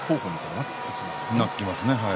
なってきますね。